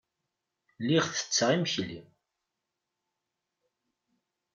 Lliɣ ttetteɣ imekli.